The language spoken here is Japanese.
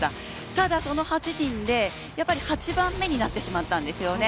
ただ８人で８番目になってしまったんですね。